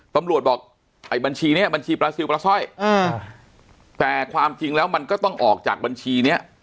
ตำรวจบอกไอ้บัญชีเนี้ยบัญชีปลาซิลปลาสร้อยแต่ความจริงแล้วมันก็ต้องออกจากบัญชีเนี้ย